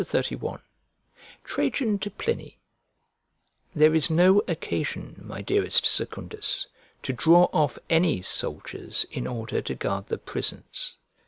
XXXI TRAJAN TO PLINY THERE is no occasion, my dearest Secundus, to draw off any soldiers in order to guard the prisons.